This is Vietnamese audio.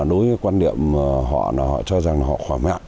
đối với quan điểm họ họ cho rằng họ khỏe mẹ